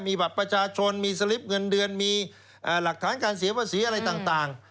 มีบัตรประชาชนมีสลิปเงินเดือนมีหลักฐานการเสียภาษีอะไรต่าง